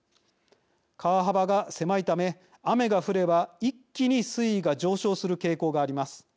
川幅が狭いため雨が降れば一気に水位が上昇する傾向があります。